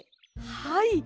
はい。